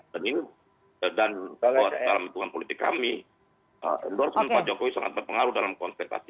dan ini dan dalam hitungan politik kami endorsement pak jokowi sangat berpengaruh dalam konsentrasi